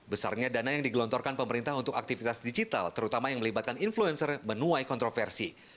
besarnya dana yang digelontorkan pemerintah untuk aktivitas digital terutama yang melibatkan influencer menuai kontroversi